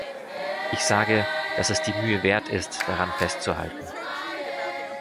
Ich sage, dass es die Mühe wert ist, daran festzuhalten.